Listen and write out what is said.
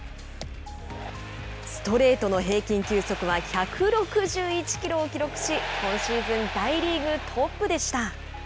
ストレートの平均球速は１６１キロを記録し今シーズン大リーグトップでした。